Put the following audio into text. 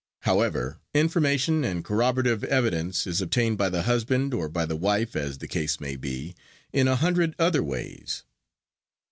However, information and corroborative evidence is obtained by the husband, or by the wife, as the case may be, in a hundred other ways.